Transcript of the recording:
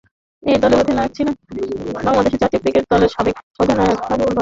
এই দলের অধিনায়ক ছিলেন বাংলাদেশ জাতীয় ক্রিকেট দলের সাবেক অধিনায়ক হাবিবুল বাশার।